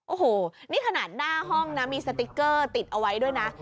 โอ้โหนี่ขนาดหน้าห้องนะมีสติ๊กเกอร์ติดเอาไว้ด้วยนะ